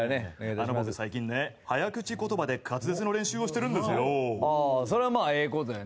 あの、僕最近ね、早口言葉で滑舌の練習をしてるんですよ。